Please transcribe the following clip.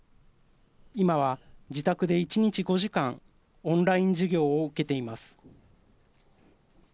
今は自宅で１日５時間オンライン授業を受けています。